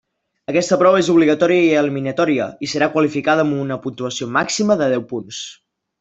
Aquesta prova és obligatòria i eliminatòria, i serà qualificada amb una puntuació màxima de deu punts.